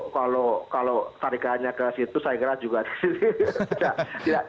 kalau tarikannya ke situ saya kira juga